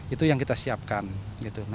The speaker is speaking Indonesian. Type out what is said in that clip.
itu yang kita siapkan